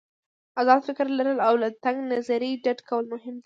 آزاد فکر لرل او له تنګ نظري ډډه کول مهم دي.